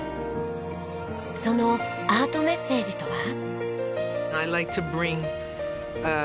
そのアートメッセージとは？